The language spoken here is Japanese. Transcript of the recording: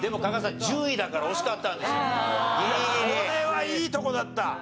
これはいいとこだった。